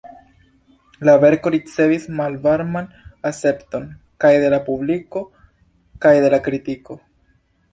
La verko ricevis malvarman akcepton, kaj de la publiko kaj de la kritiko.